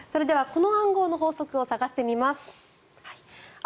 この暗号の法則を探してみます。